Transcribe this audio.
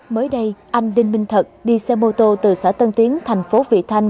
mới đây anh đinh minh thật đi xe mô tô từ xã tân tiến tp vị thanh